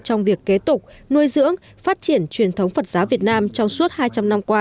trong việc kế tục nuôi dưỡng phát triển truyền thống phật giáo việt nam trong suốt hai trăm linh năm qua